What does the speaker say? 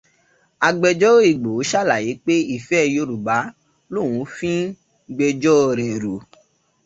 Agbẹ́jọ́rò Ìgbòho ṣàlàyé pé ìfẹ́ Yorùbá lòun fi n gbẹjọ́ rẹ̀ rò.